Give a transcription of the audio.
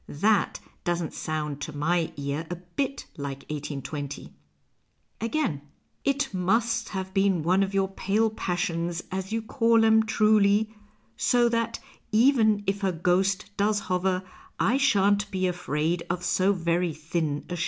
That doesn't sound to my ear a bit like 1S2(). Again :" It must have been one of your pale passions, as you call 'em, truly so that even if her ghost dois hover I shan't be afraid of so very thin a shade."